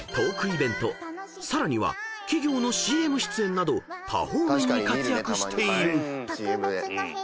［さらには企業のＣＭ出演など多方面に活躍している］